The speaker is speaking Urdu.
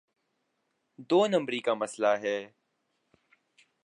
دو نمبری کا مسئلہ ہے۔